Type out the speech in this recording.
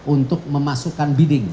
untuk memasukkan bidding